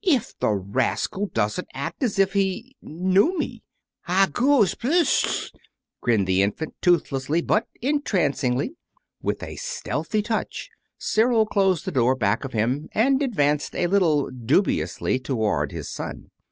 "If the rascal doesn't act as if he knew me!" "Ah goo spggghh!" grinned the infant, toothlessly, but entrancingly. With almost a stealthy touch Cyril closed the door back of him, and advanced a little dubiously toward his son.